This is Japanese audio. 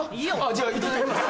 じゃいただきます。